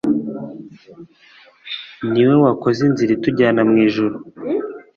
niwe wakoze inzira itujyana mwijuru